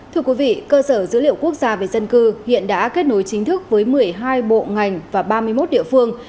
thưa quý vị cơ sở dữ liệu quốc gia về dân cư hiện đã kết nối chính thức với một mươi hai bộ ngành và ba mươi một địa phương